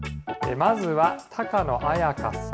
まずは高野あやかさん。